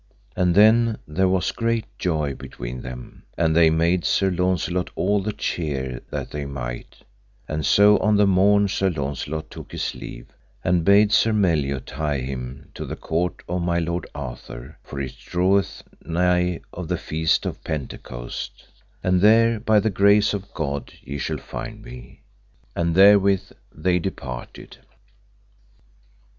And then there was great joy between them, and they made Sir Launcelot all the cheer that they might, and so on the morn Sir Launcelot took his leave, and bade Sir Meliot hie him to the court of my lord Arthur, for it draweth nigh to the Feast of Pentecost, and there by the grace of God ye shall find me. And therewith they departed.